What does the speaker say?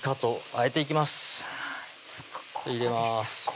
入れます